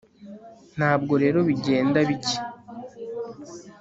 Ntabwo rero bigenda bike